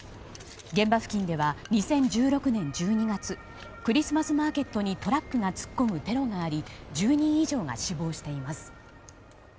現場付近では２０１６年１２月クリスマスマーケットにトラックが突っ込むテロがあり１０人以上が死亡しています。